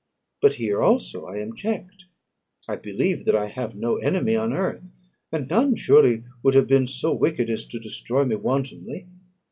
But here also I am checked. I believe that I have no enemy on earth, and none surely would have been so wicked as to destroy me wantonly.